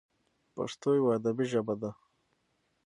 پښتو یوه ادبي ژبه ده.